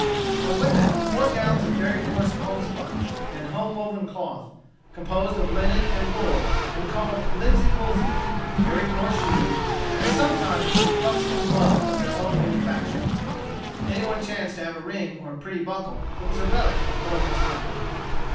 The women wore gowns of very coarse homespun and home woven cloth, composed of linen and wool, and called linsey woolsey, very coarse shoes, and sometimes with buckskin gloves of their own manufacture. If any one chanced to have a ring or pretty buckle, it was a relic of former times.